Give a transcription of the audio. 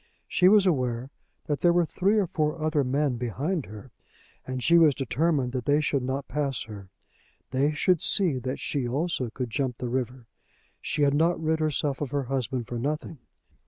She was aware that there were three or four other men behind her, and she was determined that they should not pass her. They should see that she also could jump the river. She had not rid herself of her husband for nothing.